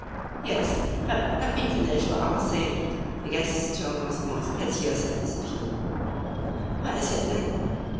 "Yes, but let me finish what I was saying." The guest's tone was almost piteous in its appeal. "What is it, then?"